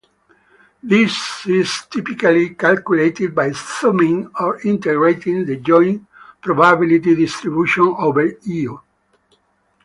This is typically calculated by summing or integrating the joint probability distribution over "Y".